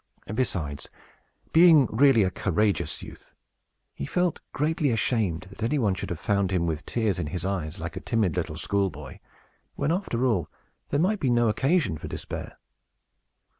Besides, being really a courageous youth, he felt greatly ashamed that anybody should have found him with tears in his eyes, like a timid little schoolboy, when, after all, there might be no occasion for despair.